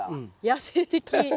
野性的。